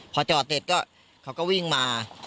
พอจอดเสร็จก็เขาก็วิ่งมา